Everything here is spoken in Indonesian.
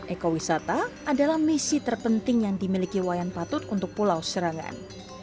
ekowisata adalah misi terpenting yang dimiliki wayan patut untuk pulau serangan